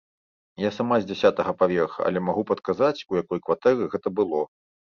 Я сама з дзясятага паверха, але магу падказаць, у якой кватэры гэта было.